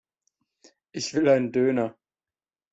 Ich will einen Döner.